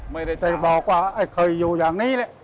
ไม่ได้ถามแต่บอกว่าเคยอยู่อย่างนี้เลย